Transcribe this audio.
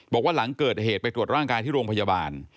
บอกว่าหลังเกิดเหตุไปตรวจร่างกายที่โรงพยาบาล